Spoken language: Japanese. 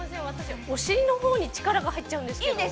私、お尻のほうに力が入っちゃうんですけど。